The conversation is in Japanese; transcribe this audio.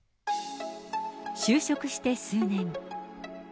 就職して数年。